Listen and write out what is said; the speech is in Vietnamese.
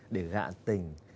để gạn tình